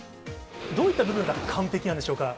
どういった部分が完璧なんでしょ